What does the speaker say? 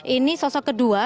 ini sosok kedua